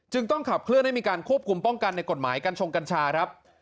ต้องขับเคลื่อนให้มีการควบคุมป้องกันในกฎหมายกัญชงกัญชาครับ